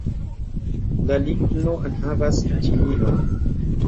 La ligno enhavas ĉininon.